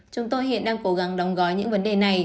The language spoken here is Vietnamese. chúng tôi hiện đang cố gắng đóng gói những vấn đề này